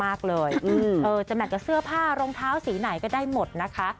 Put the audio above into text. จะแมทกับเสื้อผ้ารองเท้าสีไหนก็ได้หมดนะคะ